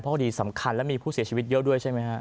คดีสำคัญและมีผู้เสียชีวิตเยอะด้วยใช่ไหมฮะ